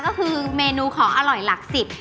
ก็คือเมนูของอร่อยหลักสิบ